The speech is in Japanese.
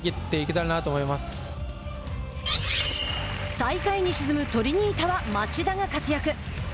最下位に沈むトリニータは町田が活躍。